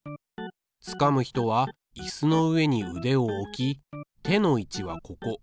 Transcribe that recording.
つかむ人はいすの上にうでを置き手の位置はここ。